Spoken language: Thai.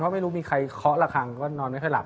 ไม่รู้มีใครเคาะละครั้งว่านอนไม่ค่อยหลับ